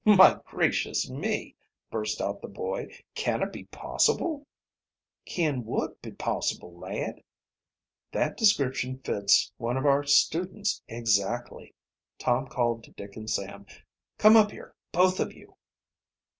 "My gracious me!" burst out the boy. "Can it be possible!" "Can wot be possible, lad?" "That description fits one of our students exactly." Tom called to Dick and Sam. "Come up here, both of you!"